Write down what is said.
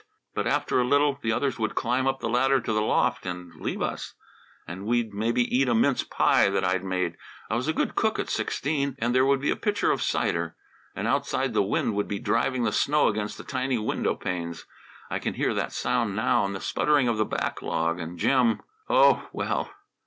But after a little, the others would climb up the ladder to the loft and leave us, and we'd maybe eat a mince pie that I'd made I was a good cook at sixteen and there would be a pitcher of cider, and outside, the wind would be driving the snow against the tiny windowpanes I can hear that sound now, and the sputtering of the backlog, and Jim oh, well!"